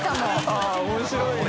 あっ面白いね。